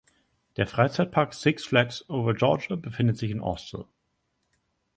Der Freizeitpark Six Flags Over Georgia befindet sich in Austell.